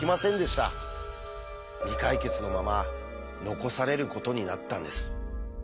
未解決のまま残されることになったんです。